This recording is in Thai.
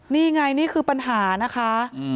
นี่ไงนี่คือปัญหานะคะ